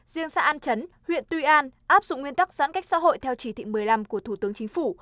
riêng xã an chấn huyện tuy an áp dụng nguyên tắc giãn cách xã hội theo chỉ thị một mươi năm của thủ tướng chính phủ